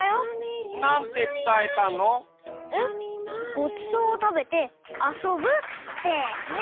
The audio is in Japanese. ごちそうをたべてあそぶってね。